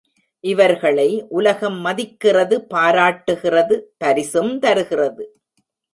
இவர்களை உலகம் மதிக்கிறது பாராட்டுகிறது பரிசும் தருகிறது.